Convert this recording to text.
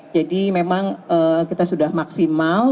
jadi memang kita sudah maksimal